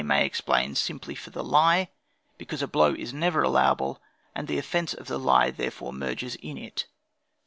may explain simply for the lie; because a blow is never allowable, and the offence of the lie therefore merges in it.